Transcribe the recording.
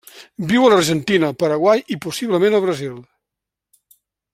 Viu a l'Argentina, el Paraguai i possiblement el Brasil.